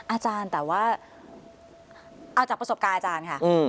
อาจารย์แต่ว่าเอาจากประสบการณ์อาจารย์ค่ะ